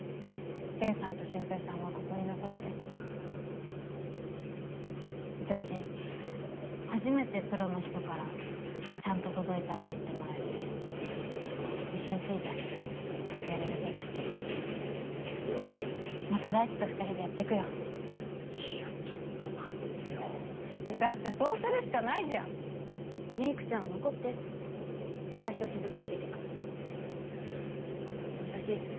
礼さんと俊平さんはここに残って私初めてプロの人からちゃんと届いたって言ってもらえて自信ついたしやれる気がしてるまた大地と二人でやってくよいやちょっと待ってよだってそうするしかないじゃんめいくちゃんは残って私と雫が出てく私